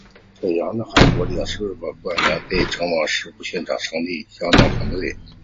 沈阳的韩国领事官员被派往事故现场成立事故相应团队。